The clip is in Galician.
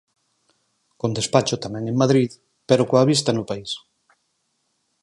Con despacho tamén en Madrid, pero coa vista no país.